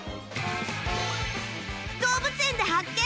動物園で発見！